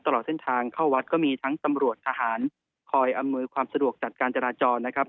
ตลอดเส้นทางเข้าวัดก็มีทั้งตำรวจทหารคอยอำนวยความสะดวกจัดการจราจรนะครับ